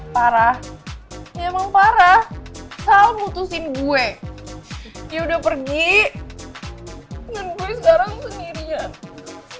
parah emang parah sal mutusin gue dia udah pergi dan gue sekarang sendirian